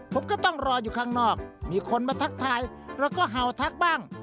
ผมก็ต้องรออยู่ข้างนอกมีคนมาทักทายแล้วก็เห่าทักบ้าง